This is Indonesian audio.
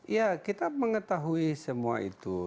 ya kita mengetahui semua itu